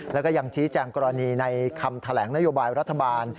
แล้วก็ยังชี้แจงกรณีในคำแถลงนโยบายรัฐบาล